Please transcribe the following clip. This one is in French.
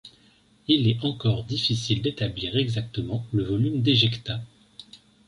Il est encore difficile d'établir exactement le volume d'éjecta.